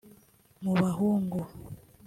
mu bahungu